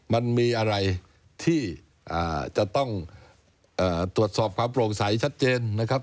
มันมีอะไรที่จะต้องตรวจสอบความโปร่งใสชัดเจนนะครับ